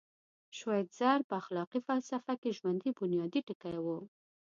شوایتزر په اخلاقي فلسفه کې ژوند بنیادي ټکی و.